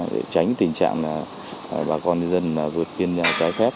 để tránh tình trạng bà con nhân dân vượt biên giá trái phép